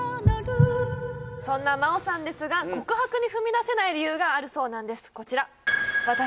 そんな茉央さんですが告白に踏み出せない理由があるそうなんです